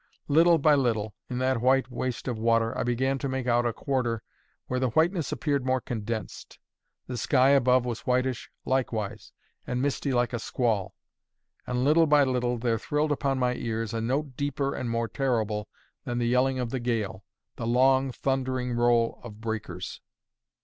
Little by little, in that white waste of water, I began to make out a quarter where the whiteness appeared more condensed: the sky above was whitish likewise, and misty like a squall; and little by little there thrilled upon my ears a note deeper and more terrible than the yelling of the gale the long, thundering roll of breakers.